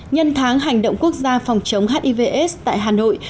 nhân tháng hành động quốc gia phòng chống hivs tại hà nội